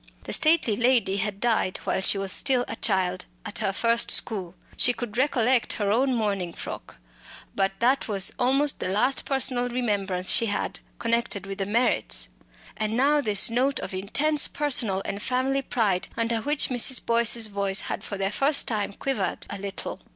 The stately lady had died while she was still a child at her first school; she could recollect her own mourning frock; but that was almost the last personal remembrance she had, connected with the Merritts. And now this note of intense personal and family pride, under which Mrs. Boyce's voice had for the first time quivered a little!